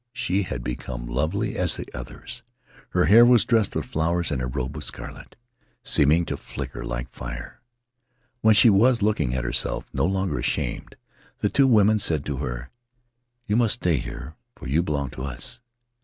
She had become lovely as the others; her hair was dressed with flowers and her robe was scarlet, seeming to flicker like fire. While she was looking at herself, no longer ashamed, the two women said to her: 'You must stay here, for you belong to us.